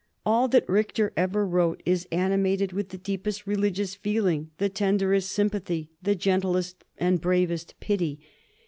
All that Richter ever wrote is animated with the deepest re ligious feeling, the tenderest sympathy, the gentlest and bravest pity.